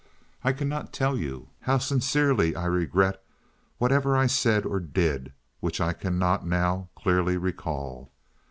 I cannot tell you how sincerely I regret whatever I said or did, which I cannot now clearly recall.